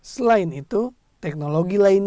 selain itu teknologi lainnya